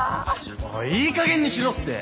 おいいいかげんにしろって！